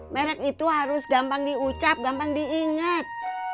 merek itu harus gampang diucap gampang diingat